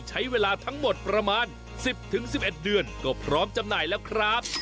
ใช้เวลาทั้งหมดประมาณ๑๐๑๑เดือนก็พร้อมจำหน่ายแล้วครับ